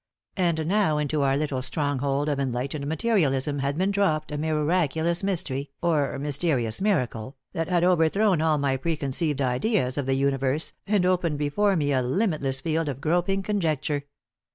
And now, into our little stronghold of enlightened materialism had been dropped a miraculous mystery, or mysterious miracle, that had overthrown all my preconceived ideas of the universe and opened before me a limitless field of groping conjecture.